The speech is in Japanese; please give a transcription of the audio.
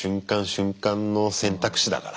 瞬間の選択肢だから。